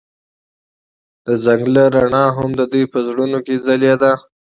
د ځنګل رڼا هم د دوی په زړونو کې ځلېده.